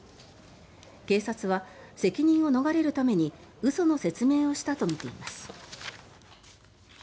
警察は責任を逃れるために嘘の説明をしたとみています。